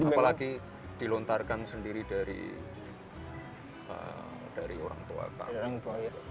apalagi dilontarkan sendiri dari orang tua kamu